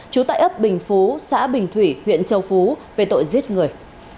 trú tại ấp bình phú xã bình thủy huyện châu phú về tội giết người